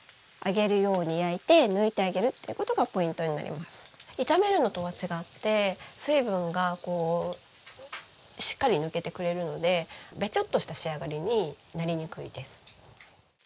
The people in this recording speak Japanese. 今日はここで炒めるのとは違って水分がこうしっかり抜けてくれるのでべちょっとした仕上がりになりにくいです。